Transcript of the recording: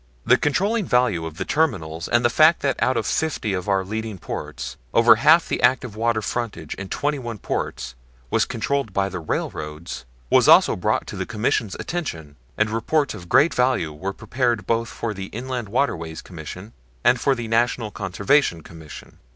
The controlling value of terminals and the fact that out of fifty of our leading ports, over half the active water frontage in twenty one ports was controlled by the railroads, was also brought to the Commission's attention, and reports of great value were prepared both for the Inland Waterways Commission and for the National Conservation Commission.